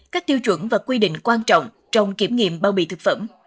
các tiêu chuẩn và quy định quan trọng trong kiểm nghiệm bao bì thực phẩm